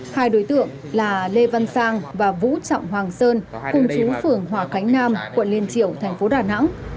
hai đối tượng là lê văn sang và vũ trọng hoàng sơn cung chú phường hòa khánh nam quận liên triều thành phố đà nẵng